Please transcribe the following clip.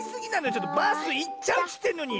ちょっとバスいっちゃうっていってんのに！